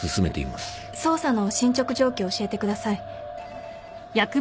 捜査の進捗状況教えてください。